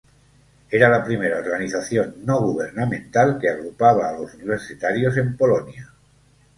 Era la primera organización no gubernamental que agrupaba a los universitarios en Polonia.